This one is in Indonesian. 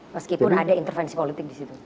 meskipun ada intervensi politik disitu